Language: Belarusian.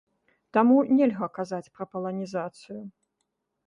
Таму нельга казаць пра паланізацыю.